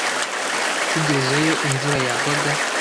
Tugezeyo imvura yagwaga.